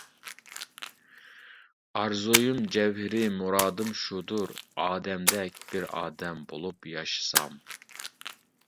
ئارزۇيۇم جەۋھىرى مۇرادىم شۇدۇر، ئادەمدەك بىر ئادەم بولۇپ ياشىسام.